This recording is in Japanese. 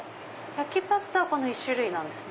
焼きパスタはこの１種類ですね。